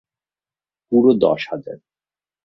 পুরো দশ হাজার।